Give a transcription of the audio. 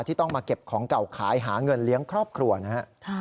ที่ต้องมาเก็บของเก่าขายหาเงินเลี้ยงครอบครัวนะครับ